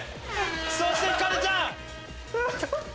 そしてひかるちゃん。